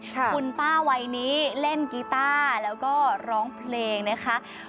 คุณป้าวัยนี้เล่นกีต้าแล้วก็ร้องเพลงนะคะ